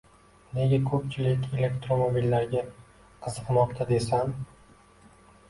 Nega ko‘pchilik elektromobillarga qiziqmoqda desam